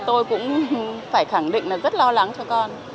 tôi cũng phải khẳng định là rất lo lắng cho con